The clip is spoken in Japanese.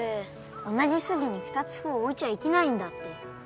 同じ筋に２つ歩は置いちゃいけないんだって